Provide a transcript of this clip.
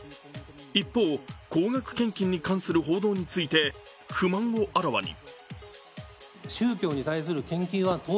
一方、高額献金に関する報道について不満をあらわに。